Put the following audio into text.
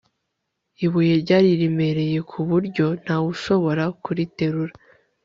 ibuye ryari riremereye kuburyo ntawushobora kuriterura